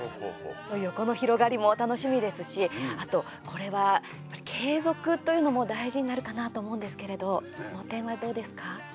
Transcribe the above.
横の広がりも楽しみですしあと、これは継続というのも大事になるかなと思うんですけれどその点はどうですか？